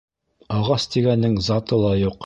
Ағас тигәндең заты ла юҡ.